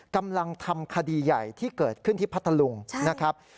กำลังทำคดีใหญ่ที่เกิดขึ้นที่พัทธลุงนะครับ